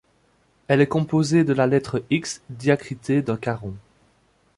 Elle est composée de la lettre X diacritée d'un caron.